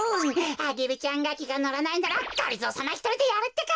アゲルちゃんがきがのらないならがりぞーさまひとりでやるってか！